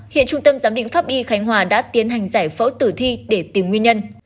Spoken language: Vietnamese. hiện trung tâm giám định pháp y khánh hòa đã tiến hành giải phẫu tử thi để tìm nguyên nhân